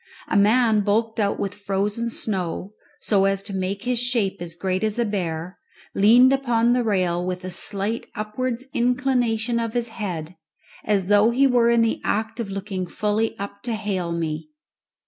A man bulked out with frozen snow, so as to make his shape as great as a bear, leaned upon the rail with a slight upwards inclination of his head, as though he were in the act of looking fully up to hail me.